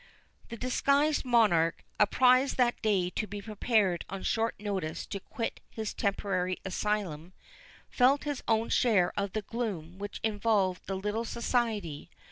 The disguised Monarch, apprised that day to be prepared on short notice to quit his temporary asylum, felt his own share of the gloom which involved the little society.